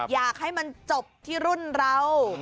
อยากให้มันจบที่รุ่นเรา